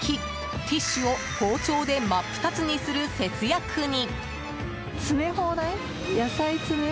ティッシュを包丁で真っ二つにする節約に。